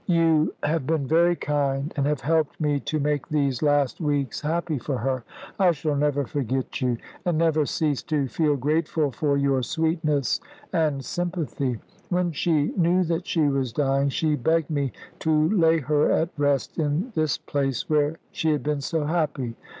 "You have been very kind, and have helped me to make these last weeks happy for her. I shall never forget you, and never cease to feel grateful for your sweetness and sympathy. When she knew that she was dying she begged me to lay her at rest in this place where she had been so happy.